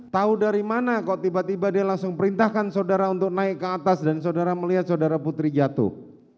tahu dari mana kok tiba tiba dia langsung perintahkan saudara untuk naik ke atas dan saudara melihat saudara putri jatuh